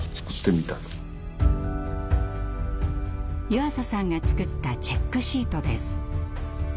湯浅さんが作ったチェックシートです。